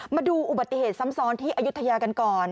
มาดูอุบัติเหตุซ้ำซ้อนที่อายุทยากันก่อน